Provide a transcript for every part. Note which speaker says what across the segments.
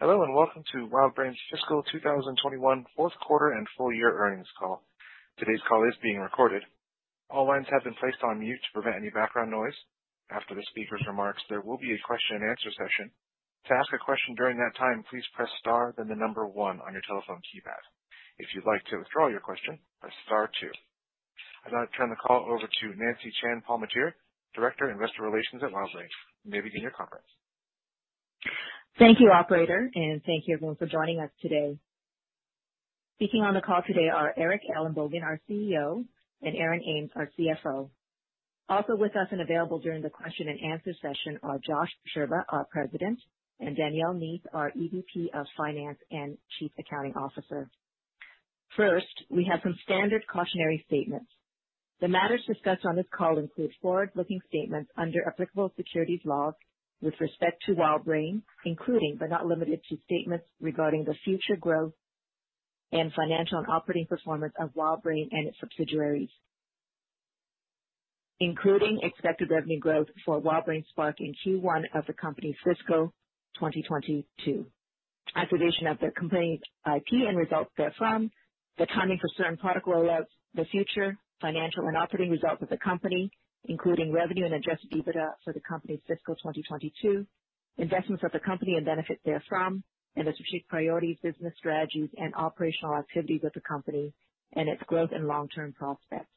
Speaker 1: Hello, and welcome to WildBrain's Fiscal 2021 Fourth Quarter and Full Year Earnings Call. Today's call is being recorded. All lines have been placed on mute to prevent any background noise. After the speaker's remarks, there will be a question and answer session. To ask a question during that time, please press star then the number one on your telephone keypad. If you'd like to withdraw your question, press star two. I'd now like to turn the call over to Nancy Chan-Palmateer, Director, Investor Relations at WildBrain. You may begin your conference.
Speaker 2: Thank you, operator, and thank you everyone for joining us today. Speaking on the call today are Eric Ellenbogen, our CEO, and Aaron Ames, our CFO. Also with us and available during the question and answer session are Josh Scherba, our President, and Danielle Neath, our EVP of Finance and Chief Accounting Officer. First, we have some standard cautionary statements. The matters discussed on this call include forward-looking statements under applicable securities laws with respect to WildBrain, including but not limited to statements regarding the future growth and financial and operating performance of WildBrain and its subsidiaries, including expected revenue growth for WildBrain Spark in Q1 of the company's fiscal 2022. Acquisition of the company IP and results therefrom, the timing for certain product rollouts, the future financial and operating results of the company, including revenue and adjusted EBITDA for the company's fiscal 2022, investments of the company and benefits therefrom, and the strategic priorities, business strategies, and operational activities of the company and its growth and long-term prospects.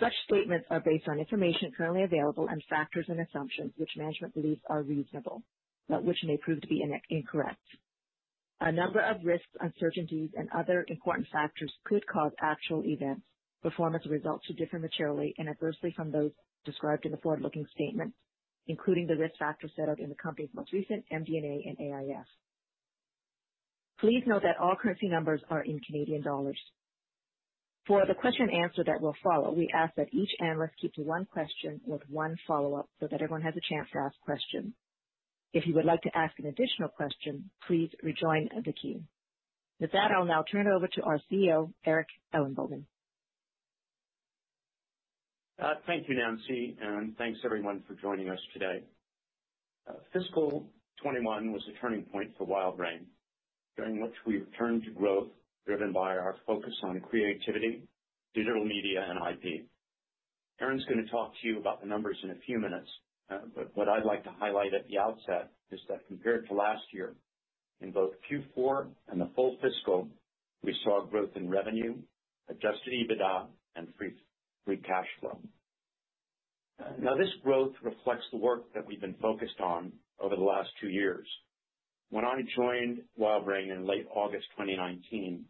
Speaker 2: Such statements are based on information currently available and factors and assumptions which management believes are reasonable, but which may prove to be incorrect. A number of risks, uncertainties, and other important factors could cause actual events, performance, and results to differ materially and adversely from those described in the forward-looking statement, including the risk factors set out in the company's most recent MD&A and AIF. Please note that all currency numbers are in Canadian dollars. For the question and answer that will follow, we ask that each analyst keep to one question with one follow-up so that everyone has a chance to ask questions. If you would like to ask an additional question, please rejoin the queue. With that, I'll now turn it over to our CEO, Eric Ellenbogen.
Speaker 3: Thank you, Nancy, and thanks, everyone, for joining us today. Fiscal 2021 was a turning point for WildBrain, during which we've turned to growth driven by our focus on creativity, digital media, and IP. Aaron's going to talk to you about the numbers in a few minutes, but what I'd like to highlight at the outset is that compared to last year, in both Q4 and the full fiscal, we saw growth in revenue, adjusted EBITDA, and free cash flow. Now, this growth reflects the work that we've been focused on over the last two years. When I joined WildBrain in late August 2019,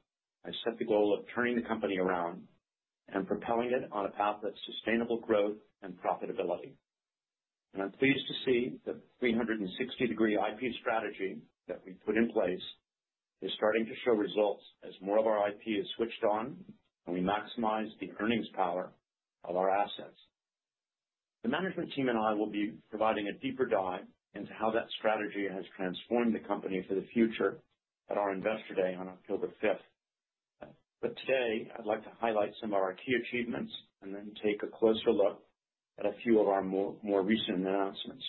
Speaker 3: I set the goal of turning the company around and propelling it on a path of sustainable growth and profitability. I'm pleased to see the 360-degree IP strategy that we put in place is starting to show results as more of our IP is switched on and we maximize the earnings power of our assets. The management team and I will be providing a deeper dive into how that strategy has transformed the company for the future at our Investor Day on October 5. Today, I'd like to highlight some of our key achievements and then take a closer look at a few of our more recent announcements.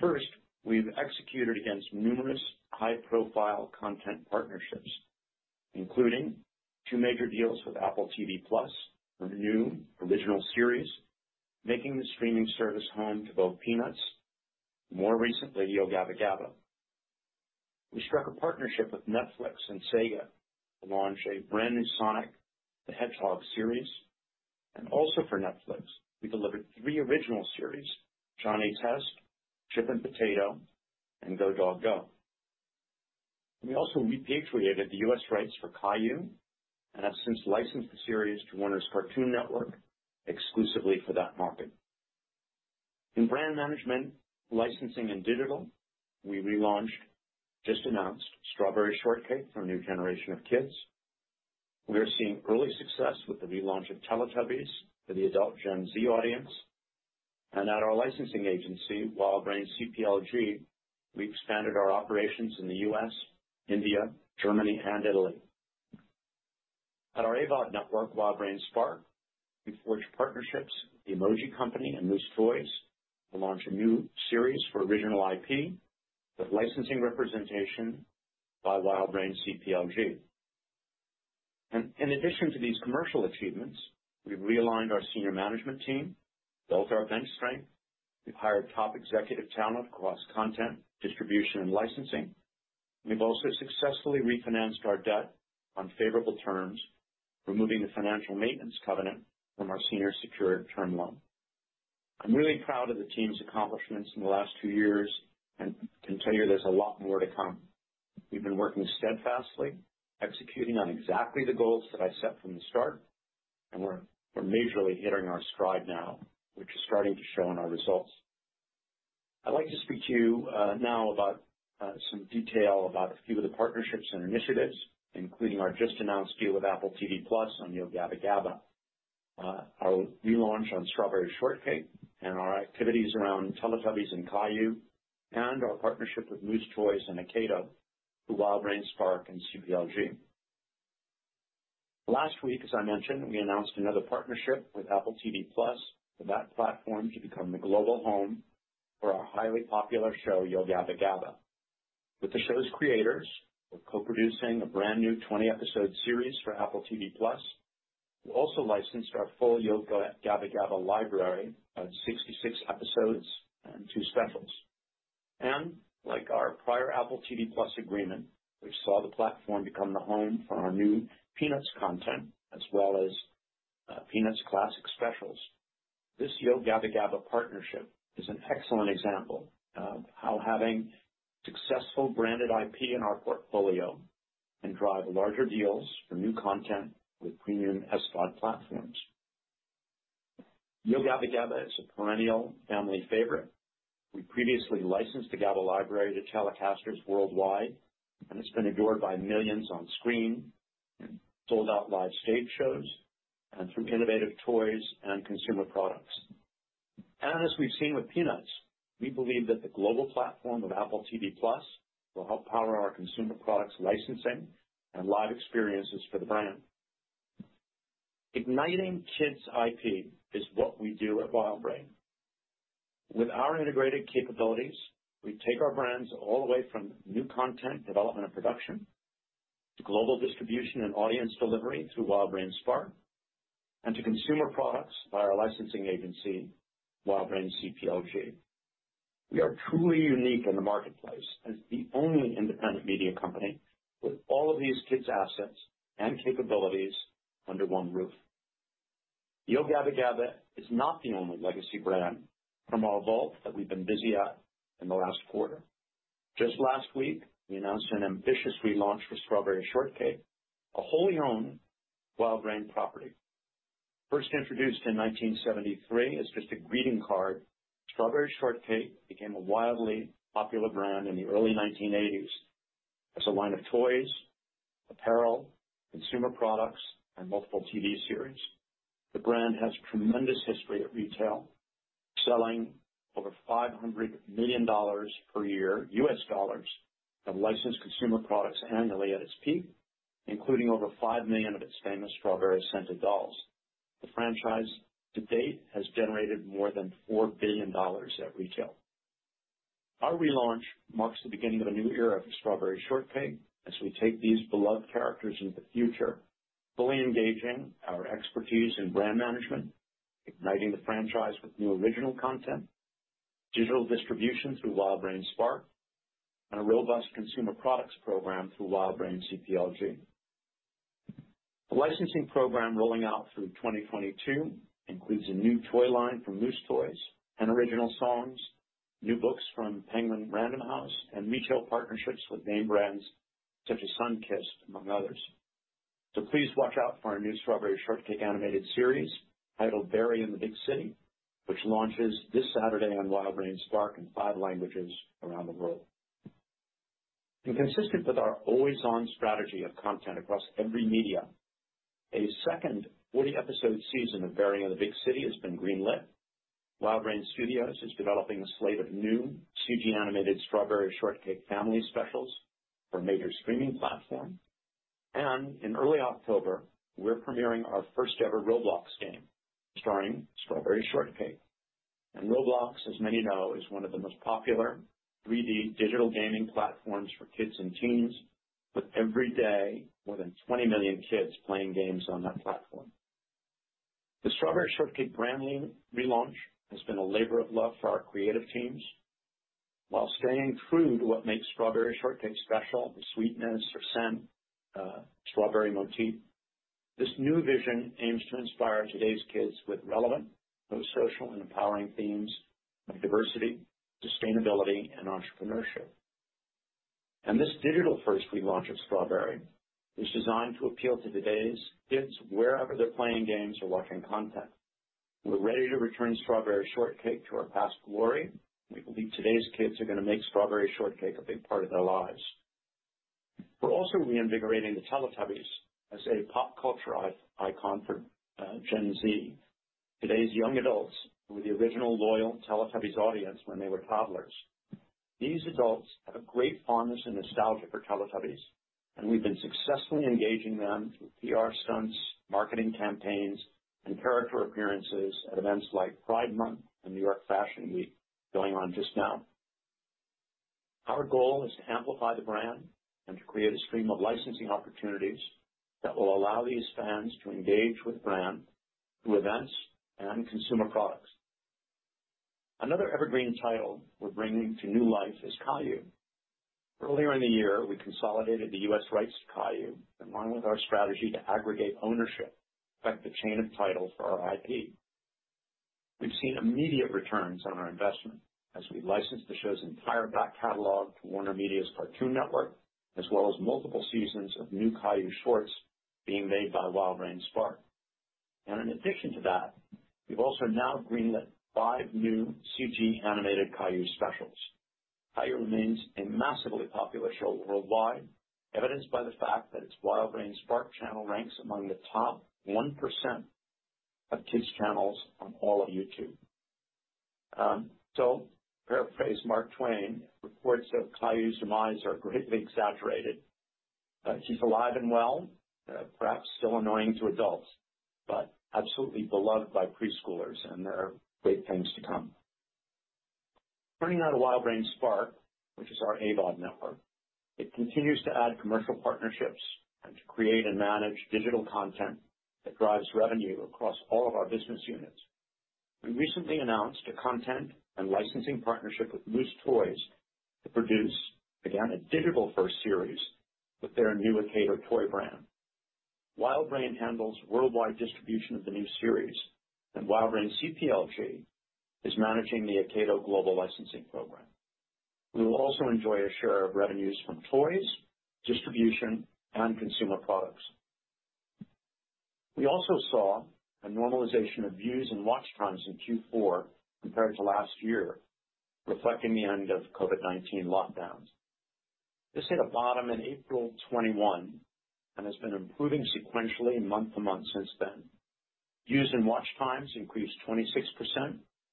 Speaker 3: First, we've executed against numerous high-profile content partnerships, including two major deals with Apple TV+ for new original series, making the streaming service home to both Peanuts and more recently, Yo Gabba Gabba! We struck a partnership with Netflix and Sega to launch a brand new "Sonic the Hedgehog" series. Also for Netflix, we delivered three original series, Johnny Test, Chip and Potato, and Go, Dog. Go! We also repatriated the U.S. rights for Caillou and have since licensed the series to Warner's Cartoon Network exclusively for that market. In brand management, licensing, and digital, we relaunched, just announced, Strawberry Shortcake for a new generation of kids. We are seeing early success with the relaunch of Teletubbies for the adult Gen Z audience. At our licensing agency, WildBrain CPLG, we expanded our operations in the U.S., India, Germany, and Italy. At our AVOD network, WildBrain Spark, we forged partnerships with the emoji company and Moose Toys to launch a new series for original IP with licensing representation by WildBrain CPLG. In addition to these commercial achievements, we've realigned our senior management team, built our bench strength. We've hired top executive talent across content, distribution, and licensing. We've also successfully refinanced our debt on favorable terms, removing the financial maintenance covenant from our senior secured term loan. I'm really proud of the team's accomplishments in the last two years and can tell you there's a lot more to come. We've been working steadfastly, executing on exactly the goals that I set from the start, and we're majorly hitting our stride now, which is starting to show in our results. I'd like to speak to you now about some detail about a few of the partnerships and initiatives, including our just announced deal with Apple TV+ on Yo Gabba Gabba!, our relaunch on Strawberry Shortcake, and our activities around Teletubbies and Caillou, and our partnership with Moose Toys and Akedo through WildBrain Spark and CPLG. Last week, as I mentioned, we announced another partnership with Apple TV+, for that platform to become the global home for our highly popular show, Yo Gabba Gabba! With the show's creators, we're co-producing a brand-new 20-episode series for Apple TV+. We also licensed our full Yo Gabba Gabba! library of 66 episodes and two specials. Like our prior Apple TV+ agreement, which saw the platform become the home for our new Peanuts content as well as Peanuts classic specials, this Yo Gabba Gabba partnership is an excellent example of how having successful branded IP in our portfolio can drive larger deals for new content with premium SVOD platforms. Yo Gabba Gabba is a perennial family favorite. We previously licensed the Gabba library to telecasters worldwide, and it's been adored by millions on screen, in sold-out live stage shows, and through innovative toys and consumer products. As we've seen with Peanuts, we believe that the global platform of Apple TV+ will help power our consumer products licensing and live experiences for the brand. Igniting kids' IP is what we do at WildBrain. With our integrated capabilities, we take our brands all the way from new content development and production, to global distribution and audience delivery through WildBrain Spark, and to consumer products by our licensing agency, WildBrain CPLG. We are truly unique in the marketplace as the only independent media company with all of these kids' assets and capabilities under one roof. Yo Gabba Gabba is not the only legacy brand from our vault that we've been busy at in the last quarter. Just last week, we announced an ambitious relaunch for Strawberry Shortcake, a wholly owned WildBrain property. First introduced in 1973 as just a greeting card, Strawberry Shortcake became a wildly popular brand in the early 1980s as a line of toys, apparel, consumer products, and multiple TV series. The brand has tremendous history at retail, selling over $500 million per year, U.S. dollars, of licensed consumer products annually at its peak, including over five million of its famous strawberry-scented dolls. The franchise to date has generated more than $4 billion at retail. Our relaunch marks the beginning of a new era for Strawberry Shortcake as we take these beloved characters into the future, fully engaging our expertise in brand management, igniting the franchise with new original content, digital distribution through WildBrain Spark, and a robust consumer products program through WildBrain CPLG. The licensing program rolling out through 2022 includes a new toy line from Moose Toys and original songs, new books from Penguin Random House, and retail partnerships with name brands such as Sunkist, among others. Please watch out for our new Strawberry Shortcake animated series titled "Berry in the Big City," which launches this Saturday on WildBrain Spark in five languages around the world. Consistent with our always-on strategy of content across every medium, a second 40-episode season of Berry in the Big City has been green-lit. WildBrain Studios is developing a slate of new CG-animated Strawberry Shortcake family specials for major streaming platforms. In early October, we're premiering our first-ever Roblox game starring Strawberry Shortcake. Roblox, as many know, is one of the most popular 3D digital gaming platforms for kids and teens, with every day more than 20 million kids playing games on that platform. The Strawberry Shortcake brand relaunch has been a labor of love for our creative teams. While staying true to what makes Strawberry Shortcake special, the sweetness, her scent, strawberry motif, this new vision aims to inspire today's kids with relevant, both social and empowering themes like diversity, sustainability, and entrepreneurship. This digital-first relaunch of Strawberry is designed to appeal to today's kids wherever they're playing games or watching content. We're ready to return Strawberry Shortcake to her past glory, and we believe today's kids are going to make Strawberry Shortcake a big part of their lives. We're also reinvigorating the Teletubbies as a pop culture icon for Gen Z, today's young adults who were the original loyal Teletubbies audience when they were toddlers. These adults have a great fondness and nostalgia for Teletubbies, and we've been successfully engaging them through PR stunts, marketing campaigns, and character appearances at events like Pride Month and New York Fashion Week, going on just now. Our goal is to amplify the brand and to create a stream of licensing opportunities that will allow these fans to engage with the brand through events and consumer products. Another evergreen title we're bringing to new life is Caillou. Earlier in the year, we consolidated the U.S. rights to Caillou, in line with our strategy to aggregate ownership, affect the chain of title for our IP. We've seen immediate returns on our investment as we licensed the show's entire back catalog to WarnerMedia's Cartoon Network, as well as multiple seasons of new Caillou shorts being made by WildBrain Spark. In addition to that, we've also now green-lit five new CG-animated Caillou specials. Caillou remains a massively popular show worldwide, evidenced by the fact that its WildBrain Spark channel ranks among the top 1% of kids' channels on all of YouTube. To paraphrase Mark Twain, reports of Caillou's demise are greatly exaggerated. She's alive and well, perhaps still annoying to adults, but absolutely beloved by preschoolers, and there are great things to come. Turning now to WildBrain Spark, which is our AVOD network. It continues to add commercial partnerships and to create and manage digital content that drives revenue across all of our business units. We recently announced a content and licensing partnership with Moose Toys to produce, again, a digital first series with their new Akedo toy brand. WildBrain handles worldwide distribution of the new series, and WildBrain CPLG is managing the Akedo global licensing program. We will also enjoy a share of revenues from toys, distribution, and consumer products. We also saw a normalization of views and watch times in Q4 compared to last year, reflecting the end of COVID-19 lockdowns. This hit a bottom in April 2021 and has been improving sequentially month-to-month since then. Views and watch times increased 26%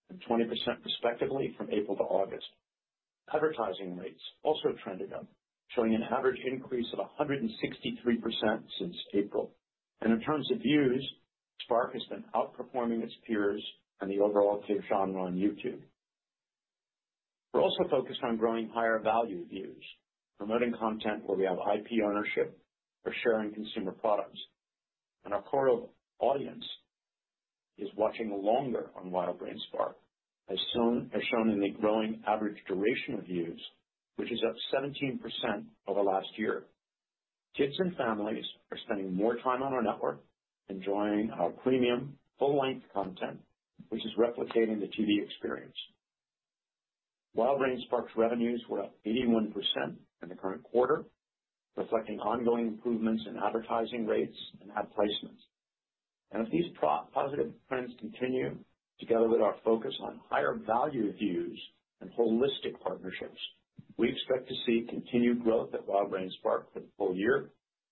Speaker 3: and 20% respectively from April to August. Advertising rates also trended up, showing an average increase of 163% since April. In terms of views, Spark has been outperforming its peers and the overall kids' genre on YouTube. We're also focused on growing higher value views, promoting content where we have IP ownership or sharing consumer products. Our core audience is watching longer on WildBrain Spark, as shown in the growing average duration of views, which is up 17% over last year. Kids and families are spending more time on our network, enjoying our premium full-length content, which is replicating the TV experience. If these positive trends continue, together with our focus on higher value views and holistic partnerships, we expect to see continued growth at WildBrain Spark for the full year,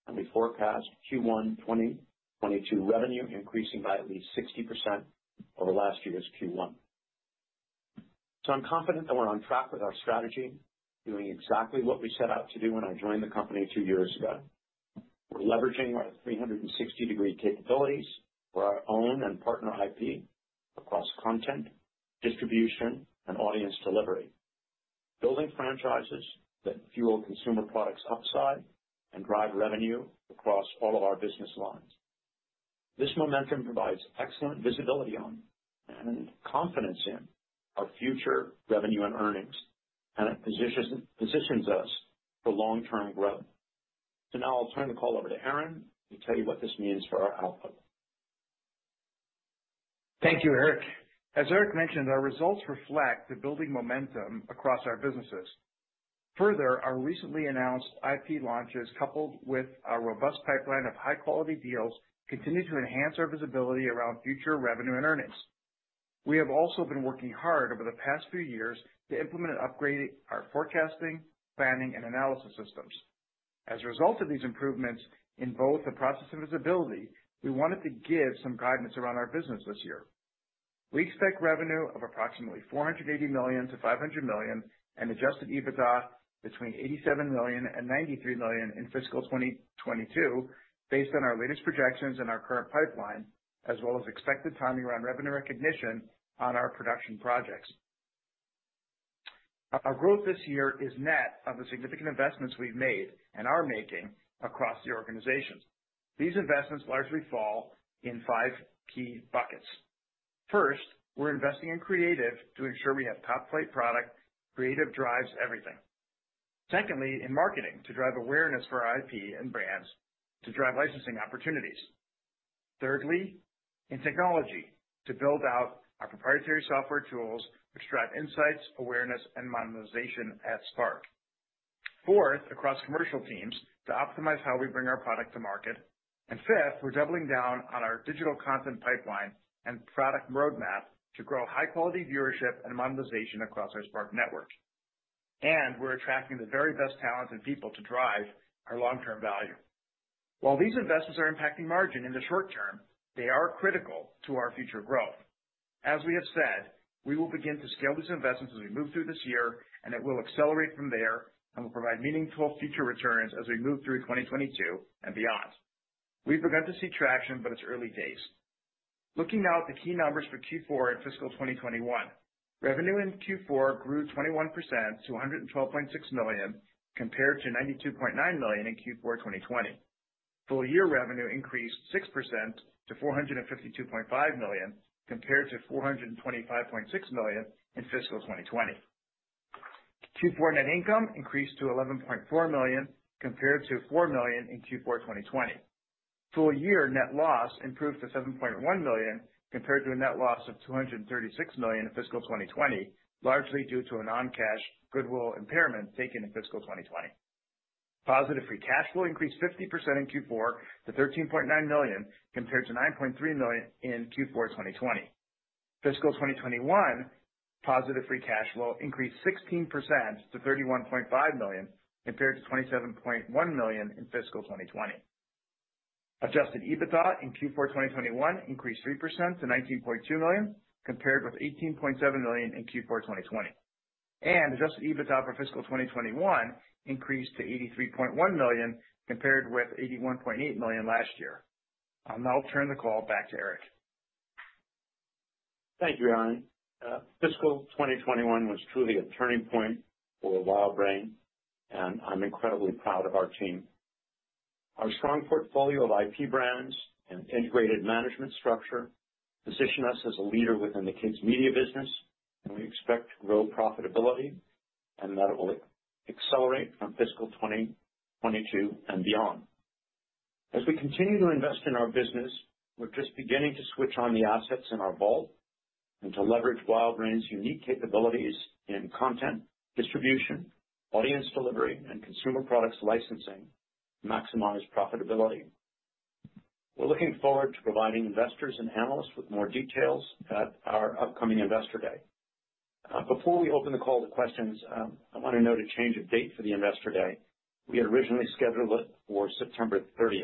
Speaker 3: and we forecast Q1 2022 revenue increasing by at least 60% over last year's Q1. I'm confident that we're on track with our strategy, doing exactly what we set out to do when I joined the company two years ago. We're leveraging our 360-degree capabilities for our own and partner IP across content, distribution, and audience delivery, building franchises that fuel consumer products upside and drive revenue across all of our business lines. This momentum provides excellent visibility on and confidence in our future revenue and earnings, and it positions us for long-term growth. Now I'll turn the call over to Aaron to tell you what this means for our outlook.
Speaker 4: Thank you, Eric. As Eric mentioned, our results reflect the building momentum across our businesses. Further, our recently announced IP launches, coupled with our robust pipeline of high-quality deals, continue to enhance our visibility around future revenue and earnings. We have also been working hard over the past few years to implement and upgrade our forecasting, planning, and analysis systems. As a result of these improvements in both the process and visibility, we wanted to give some guidance around our business this year. We expect revenue of approximately 480 million-500 million and adjusted EBITDA between 87 million and 93 million in fiscal 2022 based on our latest projections and our current pipeline, as well as expected timing around revenue recognition on our production projects. Our growth this year is net of the significant investments we've made and are making across the organization. These investments largely fall in five key buckets. First, we're investing in creative to ensure we have top-plate product. Creative drives everything. Secondly, in marketing, to drive awareness for our IP and brands to drive licensing opportunities. Thirdly, in technology, to build out our proprietary software tools, which drive insights, awareness, and monetization at Spark. Fourth, across commercial teams to optimize how we bring our product to market. Fifth, we're doubling down on our digital content pipeline and product roadmap to grow high-quality viewership and monetization across our Spark network. We're attracting the very best talent and people to drive our long-term value. While these investments are impacting margin in the short term, they are critical to our future growth. As we have said, we will begin to scale these investments as we move through this year, and it will accelerate from there and will provide meaningful future returns as we move through 2022 and beyond. We've begun to see traction, but it's early days. Looking now at the key numbers for Q4 and fiscal 2021. Revenue in Q4 grew 21% to CAD 112.6 million, compared to CAD 92.9 million in Q4 2020. Full-year revenue increased 6% to CAD 452.5 million, compared to CAD 425.6 million in fiscal 2020. Q4 net income increased to CAD 11.4 million compared to CAD 4 million in Q4 2020. Full-year net loss improved to CAD 7.1 million compared to a net loss of 236 million in fiscal 2020, largely due to a non-cash goodwill impairment taken in fiscal 2020. Positive free cash flow increased 50% in Q4 to 13.9 million compared to 9.3 million in Q4 2020. Fiscal 2021 positive free cash flow increased 16% to 31.5 million compared to 27.1 million in fiscal 2020. Adjusted EBITDA in Q4 2021 increased 3% to 19.2 million, compared with 18.7 million in Q4 2020. Adjusted EBITDA for fiscal 2021 increased to 83.1 million, compared with 81.8 million last year. I'll now turn the call back to Eric.
Speaker 3: Thank you, Aaron. Fiscal 2021 was truly a turning point for WildBrain. I'm incredibly proud of our team. Our strong portfolio of IP brands and integrated management structure position us as a leader within the kids media business. We expect to grow profitability. That will accelerate from fiscal 2022 and beyond. As we continue to invest in our business, we're just beginning to switch on the assets in our vault and to leverage WildBrain's unique capabilities in content distribution, audience delivery, and consumer products licensing to maximize profitability. We're looking forward to providing investors and analysts with more details at our upcoming Investor Day. Before we open the call to questions, I want to note a change of date for the Investor Day. We had originally scheduled it for September 30.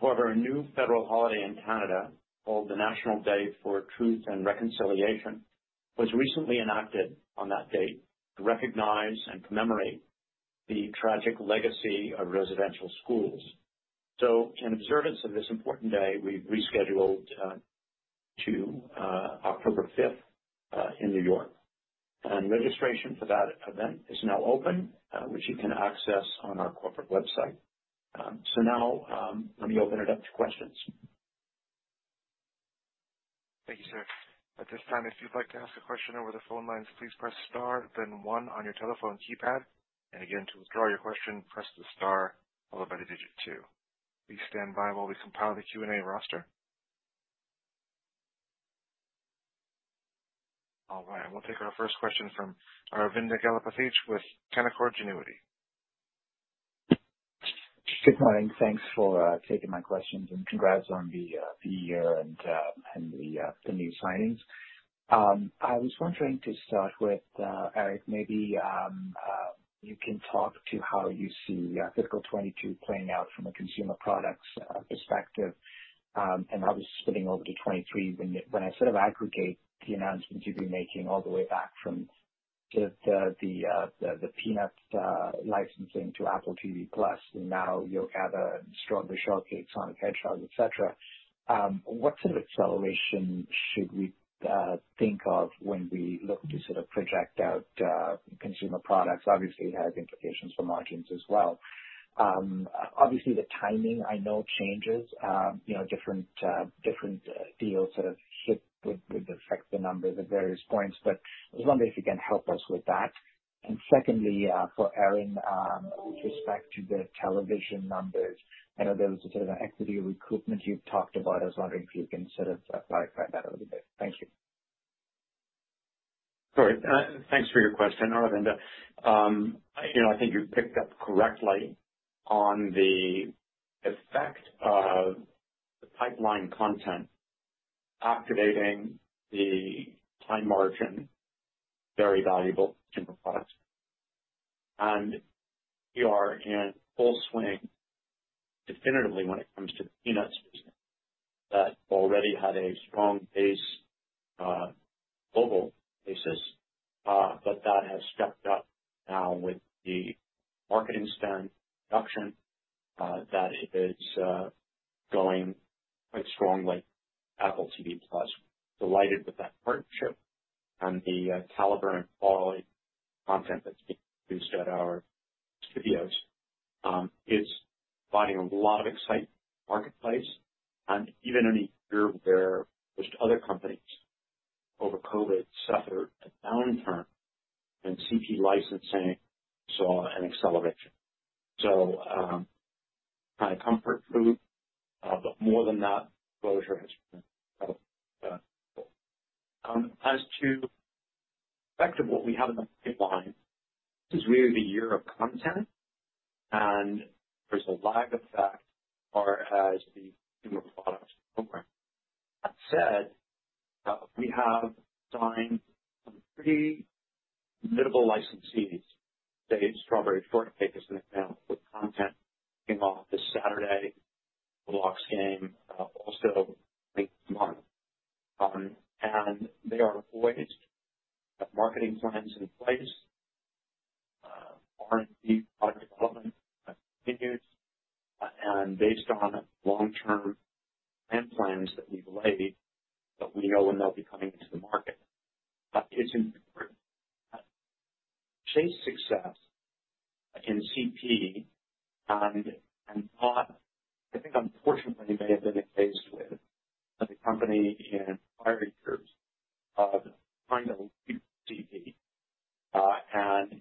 Speaker 3: However, a new federal holiday in Canada, called the National Day for Truth and Reconciliation, was recently enacted on that date to recognize and commemorate the tragic legacy of residential schools. In observance of this important day, we've rescheduled to October 5 in New York. Registration for that event is now open, which you can access on our corporate website. Let me open it up to questions.
Speaker 1: Thank you, sir. At this time, if you'd like to ask a question over the phone lines, please press star then one on your telephone keypad. Again, to withdraw your question, press the star followed by the digit two. Please stand by while we compile the Q&A roster. We'll take our first question from Aravinda Galappatthige with Canaccord Genuity.
Speaker 5: Good morning. Thanks for taking my questions, and congrats on the year and the new signings. I was wondering to start with, Eric, maybe you can talk to how you see fiscal 2022 playing out from a consumer products perspective. Obviously spinning over to 2023, when I sort of aggregate the announcements you've been making all the way back from the Peanuts licensing to Apple TV+, and now you have Strawberry Shortcake, Sonic the Hedgehog, et cetera, what sort of acceleration should we think of when we look to sort of project out consumer products? Obviously, it has implications for margins as well. Obviously, the timing I know changes, different deals sort of shift with, affect the numbers at various points, but I was wondering if you can help us with that. Secondly, for Aaron, with respect to the television numbers, I know there was a sort of an equity recoupment you've talked about. I was wondering if you can sort of clarify that a little bit. Thank you.
Speaker 3: Sorry. Thanks for your question, Aravinda. I think you've picked up correctly on the effect of the pipeline content activating the high margin, very valuable consumer products. We are in full swing definitively when it comes to the Peanuts business that already had a strong base, global basis, but that has stepped up now with the marketing spend production, that it is going quite strongly. Apple TV+ delighted with that partnership and the caliber and quality of content that's being produced at our studios is finding a lot of excitement in the marketplace. Even in a year where most other companies over COVID suffered a downturn in CP licensing saw an acceleration, kind of comfort food. As to the effect of and there's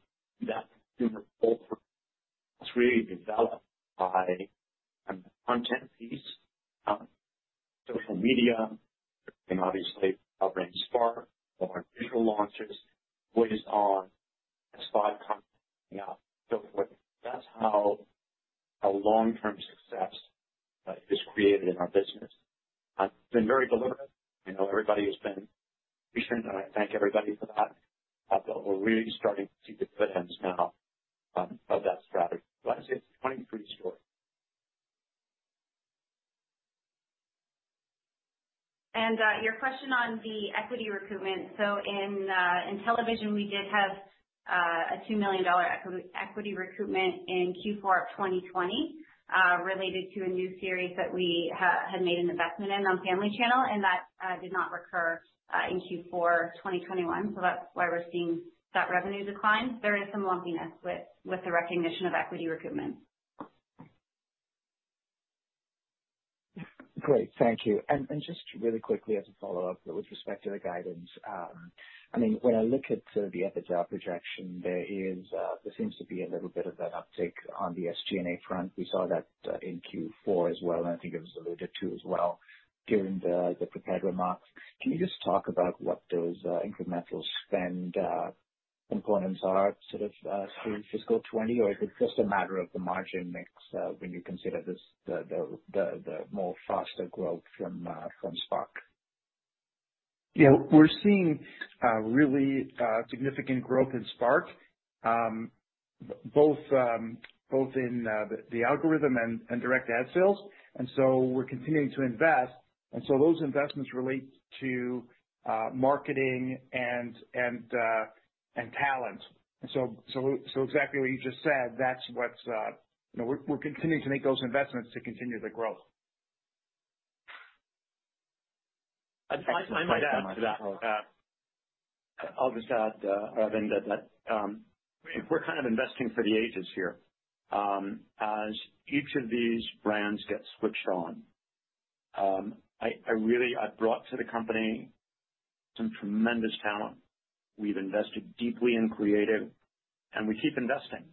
Speaker 5: Great. Thank you. Just really quickly as a follow-up, with respect to the guidance, when I look at the EBITDA projection, there seems to be a little bit of that uptick on the SG&A front. We saw that in Q4 as well, and I think it was alluded to as well during the prepared remarks. Can you just talk about what those incremental spend components are through fiscal 2020? Or is it just a matter of the margin mix when you consider the more faster growth from Spark?
Speaker 4: Yeah. We're seeing really significant growth in Spark, both in the algorithm and direct ad sales. We're continuing to invest, those investments relate to marketing and talent. Exactly what you just said, we're continuing to make those investments to continue the growth.
Speaker 5: Excellent. Thanks so much.
Speaker 3: I might add to that. I'll just add, Arvind, that we're kind of investing for the ages here. As each of these brands get switched on, I brought to the company some tremendous talent. We've invested deeply in creative, and we keep investing.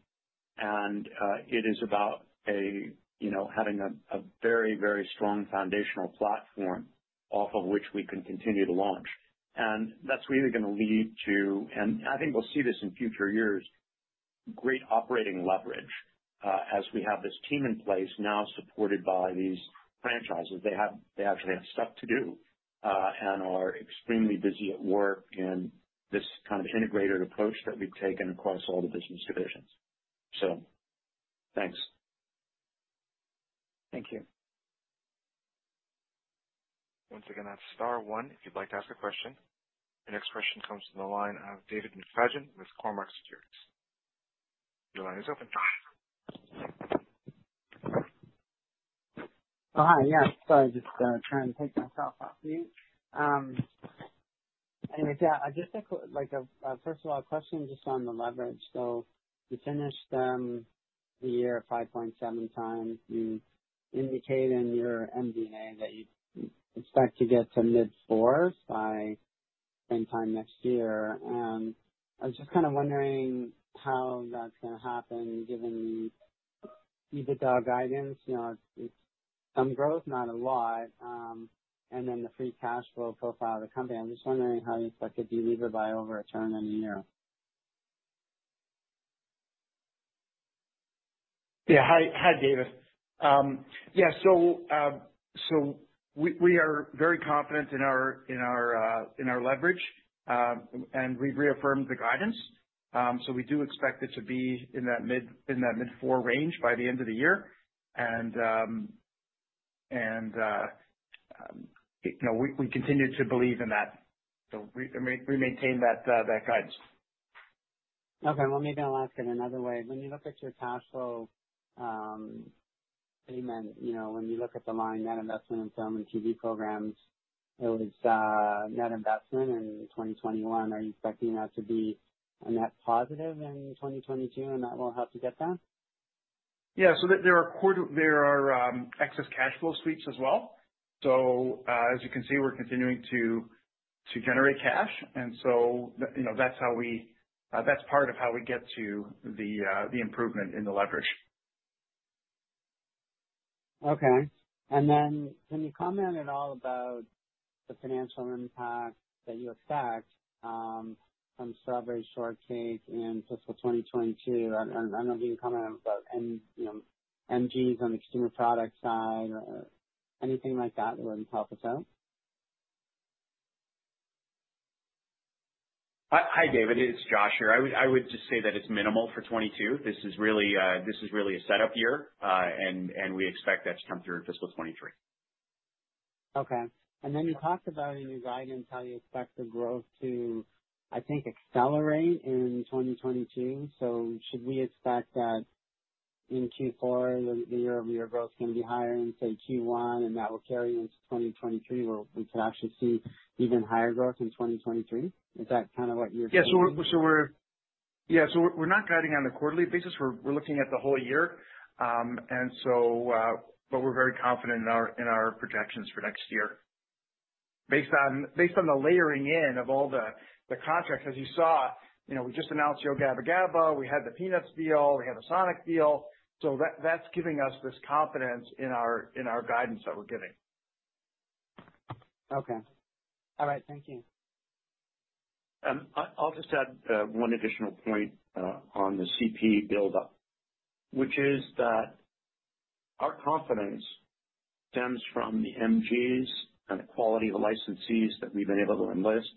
Speaker 3: It is about having a very strong foundational platform off of which we can continue to launch. That's really going to lead to, and I think we'll see this in future years, great operating leverage, as we have this team in place now supported by these franchises. They actually have stuff to do, and are extremely busy at work in this kind of integrated approach that we've taken across all the business divisions. Thanks.
Speaker 5: Thank you.
Speaker 1: Once again, that's star one if you'd like to ask a question. The next question comes from the line of David McFadgen with Cormark Securities. Your line is open.
Speaker 6: Oh, hi. Yeah, sorry. Just trying to take myself off mute. First of all, a question just on the leverage. You finished the year at 5.7 times. You indicate in your MD&A that you expect to get to mid-fours by same time next year. I was just kind of wondering how that's going to happen given the EBITDA guidance. It's some growth, not a lot. The free cash flow profile of the company, I'm just wondering how you expect to delever by over a turn on the year.
Speaker 4: Yeah. Hi, David. We are very confident in our leverage, and we've reaffirmed the guidance. We do expect it to be in that mid-four range by the end of the year. We continue to believe in that. We maintain that guidance.
Speaker 6: Okay. Well, maybe I'll ask it another way. When you look at your cash flow, Aaron Ames, when you look at the line net investment in film and TV programs, it was net investment in 2021. Are you expecting that to be a net positive in 2022, and that will help you get there?
Speaker 4: There are excess cash flow sweeps as well. As you can see, we're continuing to generate cash, that's part of how we get to the improvement in the leverage.
Speaker 6: Okay. Can you comment at all about the financial impact that you expect from Strawberry Shortcake in fiscal 2022? I don't know if you can comment about MGs on the consumer product side or anything like that that would help us out.
Speaker 7: Hi, David. It's Josh here. I would just say that it's minimal for 2022. This is really a setup year, and we expect that to come through in fiscal 2023.
Speaker 6: Okay. You talked about in your guidance how you expect the growth to, I think, accelerate in 2022. Should we expect that in Q4, the year-over-year growth is going to be higher in, say, Q1, and that will carry into 2023, where we could actually see even higher growth in 2023? Is that kind of what you're thinking?
Speaker 4: Yeah, we're not guiding on a quarterly basis. We're looking at the whole year. We're very confident in our projections for next year based on the layering in of all the contracts. As you saw, we just announced Yo Gabba Gabba!, we had the Peanuts deal, we had the Sonic deal. That's giving us this confidence in our guidance that we're giving.
Speaker 6: Okay. All right. Thank you.
Speaker 3: I'll just add one additional point on the CP buildup, which is that. Our confidence stems from the MGs and the quality of the licensees that we've been able to enlist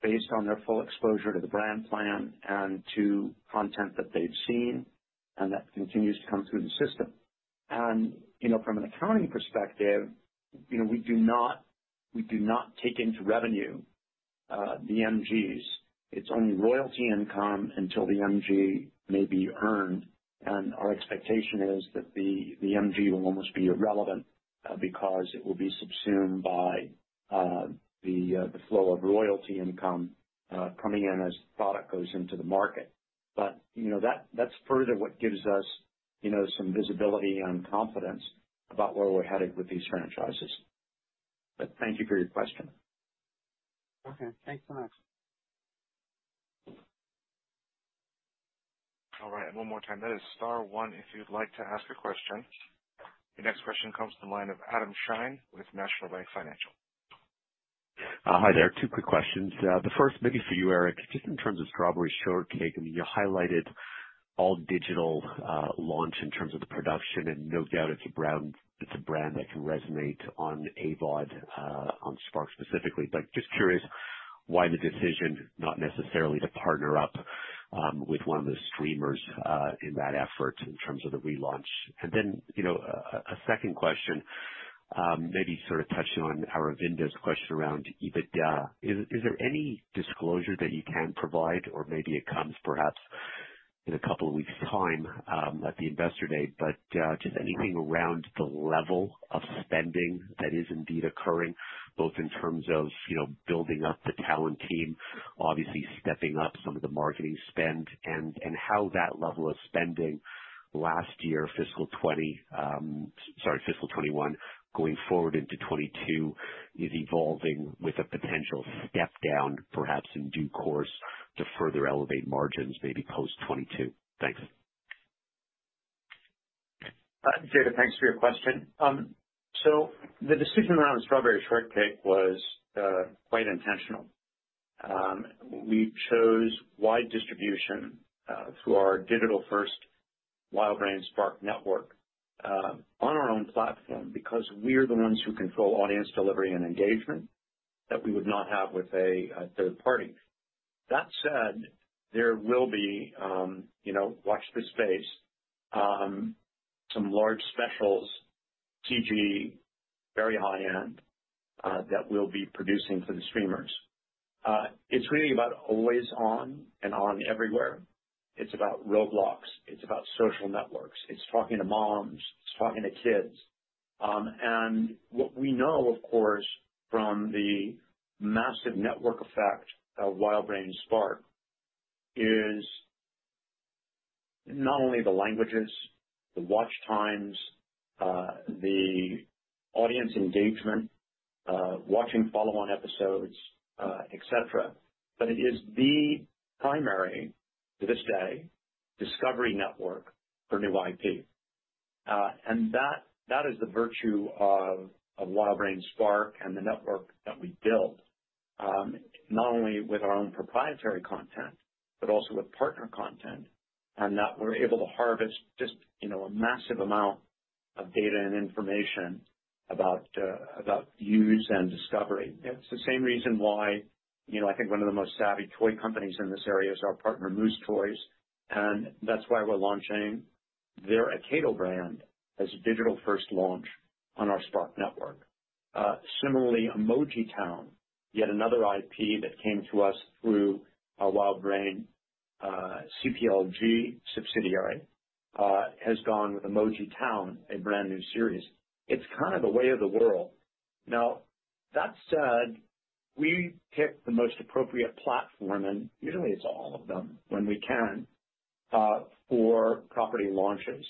Speaker 3: based on their full exposure to the brand plan and to content that they've seen and that continues to come through the system. From an accounting perspective, we do not take into revenue, the MGs. It's only royalty income until the MG may be earned. Our expectation is that the MG will almost be irrelevant because it will be subsumed by the flow of royalty income coming in as product goes into the market. That's further what gives us some visibility and confidence about where we're headed with these franchises. Thank you for your question.
Speaker 6: Okay. Thanks so much.
Speaker 1: All right. One more time, that is star one if you'd like to ask a question. The next question comes to the line of Adam Shine with National Bank Financial.
Speaker 8: Hi there. Two quick questions. The first maybe for you, Eric, just in terms of Strawberry Shortcake, you highlighted all digital, launch in terms of the production, and no doubt it's a brand that can resonate on AVOD, on Spark specifically. Just curious why the decision not necessarily to partner up with one of the streamers in that effort in terms of the relaunch. A second question, maybe sort of touching on Aravinda's question around EBITDA. Is there any disclosure that you can provide, or maybe it comes perhaps in two weeks' time, at the Investor Day, just anything around the level of spending that is indeed occurring, both in terms of building up the talent team, obviously stepping up some of the marketing spend, and how that level of spending last year, fiscal 2020, sorry, fiscal 2021, going forward into 2022, is evolving with a potential step down perhaps in due course to further elevate margins, maybe post 2022? Thanks.
Speaker 3: Adam, thanks for your question. The decision around Strawberry Shortcake was quite intentional. We chose wide distribution, through our digital-first WildBrain Spark network, on our own platform because we're the ones who control audience delivery and engagement that we would not have with a third party. That said, there will be, watch this space, some large specials, CG, very high-end, that we'll be producing for the streamers. It's really about always on and on everywhere. It's about Roblox. It's about social networks. It's talking to moms. It's talking to kids. What we know, of course, from the massive network effect of WildBrain Spark is not only the languages, the watch times, the audience engagement, watching follow-on episodes, et cetera, but it is the primary, to this day, discovery network for new IP. That is the virtue of WildBrain Spark and the network that we built, not only with our own proprietary content, but also with partner content, and that we're able to harvest just a massive amount of data and information about views and discovery. It's the same reason why I think one of the most savvy toy companies in this area is our partner, Moose Toys, and that's why we're launching their Akedo brand as a digital-first launch on our Spark network. Similarly, emojitown, yet another IP that came to us through our WildBrain CPLG subsidiary, has gone with emojitown, a brand-new series. It's kind of the way of the world. That said, we pick the most appropriate platform, and usually it's all of them when we can, for property launches.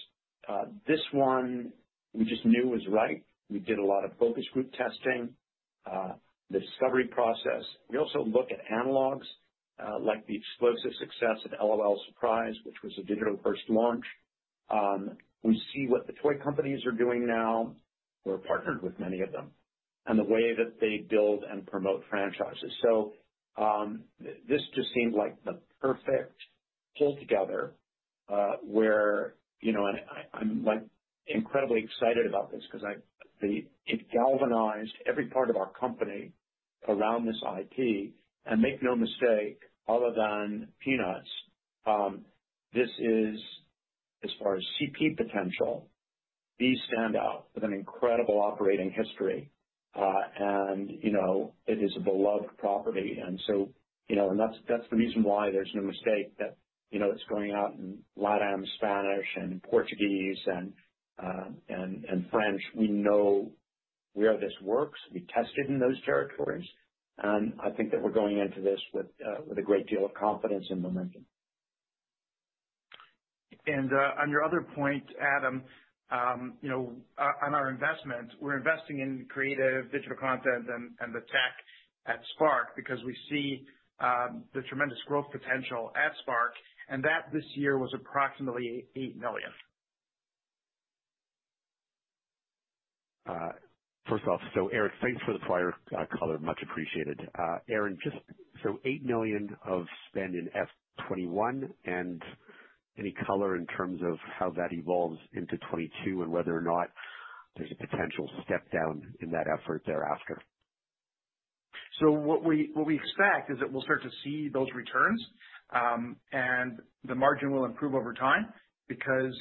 Speaker 3: This one we just knew was right. We did a lot of focus group testing, the discovery process. We also look at analogs, like the explosive success of L.O.L. Surprise!, which was a digital-first launch. We see what the toy companies are doing now. We're partnered with many of them, and the way that they build and promote franchises. This just seemed like the perfect pull together, where I'm incredibly excited about this because it galvanized every part of our company around this IP, and make no mistake, other than Peanuts, this is, as far as CP potential, these stand out with an incredible operating history. It is a beloved property. That's the reason why there's no mistake that it's going out in LATAM Spanish and Portuguese and French. We know where this works. We tested in those territories. I think that we're going into this with a great deal of confidence and momentum.
Speaker 4: On your other point, Adam, on our investment, we're investing in creative digital content and the tech at Spark because we see the tremendous growth potential at Spark, and that this year was approximately 8 million.
Speaker 8: First off, Eric, thanks for the prior color. Much appreciated. Aaron, just 8 million of spend in FY 2021 and any color in terms of how that evolves into 2022 and whether or not there's a potential step down in that effort thereafter?
Speaker 4: What we expect is that we'll start to see those returns, and the margin will improve over time because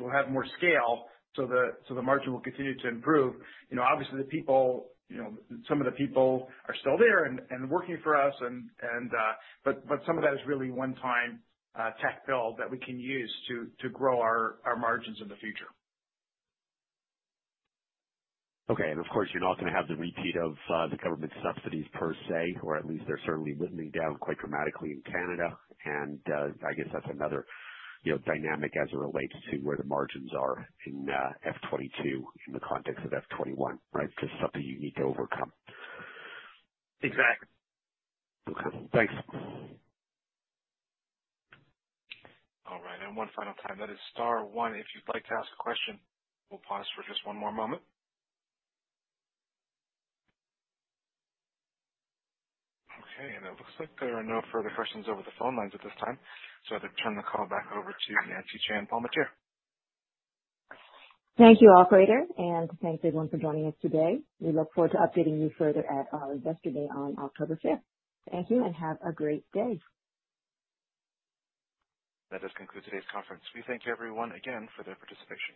Speaker 4: we'll have more scale, so the margin will continue to improve. Obviously some of the people are still there and working for us, but some of that is really one-time tech build that we can use to grow our margins in the future.
Speaker 8: Okay. Of course, you're not going to have the repeat of the government subsidies per se, or at least they're certainly dwindling down quite dramatically in Canada. I guess that's another dynamic as it relates to where the margins are in FY 2022 in the context of FY 2021, right? Just something you need to overcome.
Speaker 4: Exactly.
Speaker 8: Okay, thanks.
Speaker 1: All right, one final time, that is star 1 if you'd like to ask a question. We'll pause for just one more moment. Okay, it looks like there are no further questions over the phone lines at this time. I'd like to turn the call back over to Nancy Chan-Palmateer.
Speaker 2: Thank you, operator, and thanks everyone for joining us today. We look forward to updating you further at our Investor Day on October 5th. Thank you, and have a great day.
Speaker 1: That does conclude today's conference. We thank everyone again for their participation.